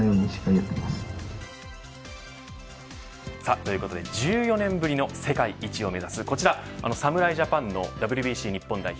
ということで１４年ぶりの世界一を目指すこちら、侍ジャパンのＷＢＣ日本代表。